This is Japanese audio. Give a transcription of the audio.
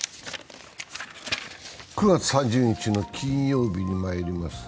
９月３０日の金曜日にまいります。